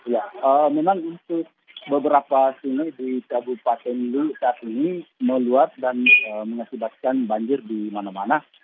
ya memang untuk beberapa sini di kabupaten lu saat ini meluap dan mengakibatkan banjir di mana mana